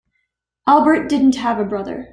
Albert didn't have a brother.